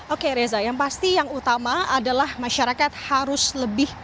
oke reza yang pasti yang utama adalah masyarakat harus lebih